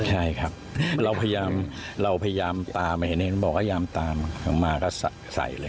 ใช่ครับเราพยายามตามมาเห็น๒๐๒๓มาก็ใส่เลย